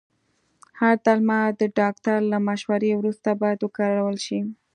هر درمل د ډاکټر له مشورې وروسته باید وکارول شي.